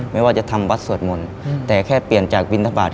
ไม่ว่าจะทำวัดสวดมนต์แต่แค่เปลี่ยนจากบินทบาท